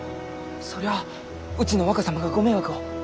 そりゃあうちの若様がご迷惑を。